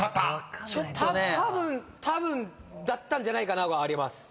たぶんたぶんだったんじゃないかながあります。